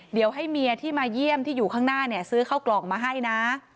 เดี๋ยวให้เมียที่มาเยี่ยมที่อยู่ข้างหน้าเนี่ยซื้อเข้ากล่องมาให้นะ